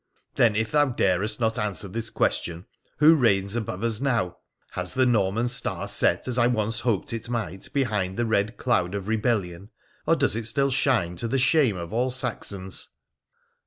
' Then, if thou darest not answer this question, who reigns above us now ? Has the Norman star set, as I once hoped it might, behind the red cloud of rebellion ? or does it still shine to the shame of all Saxons